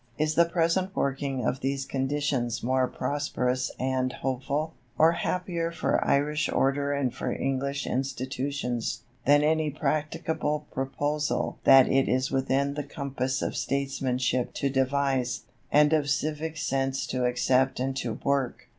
Is the present working of these conditions more prosperous and hopeful, or happier for Irish order and for English institutions, than any practicable proposal that it is within the compass of statesmanship to devise, and of civic sense to accept and to work?